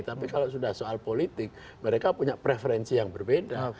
tapi kalau sudah soal politik mereka punya preferensi yang berbeda